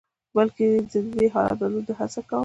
بلکې زه به د دې حالت د بدلون هڅه وکړم.